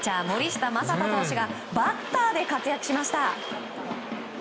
森下暢仁選手がバッターで活躍しました。